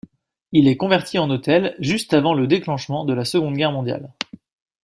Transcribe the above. Il est converti en hôtel juste avant le déclenchement de la Seconde Guerre mondiale.